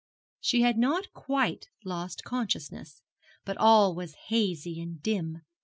She had not quite lost consciousness, but all was hazy and dim.